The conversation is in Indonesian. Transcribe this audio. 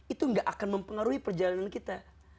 itu gak akan mempengaruhi perjalanan kita